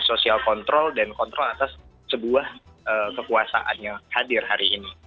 sosial kontrol dan kontrol atas sebuah kekuasaan yang hadir hari ini